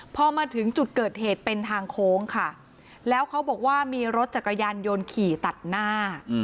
พอมาถึงจุดเกิดเหตุเป็นทางโค้งค่ะแล้วเขาบอกว่ามีรถจักรยานยนต์ขี่ตัดหน้า